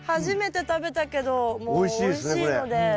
初めて食べたけどもうおいしいので。